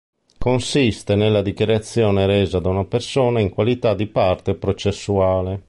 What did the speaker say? Consiste nella dichiarazione resa da una persona in qualità di parte processuale.